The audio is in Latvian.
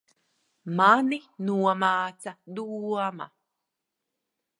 Mani nomāca doma.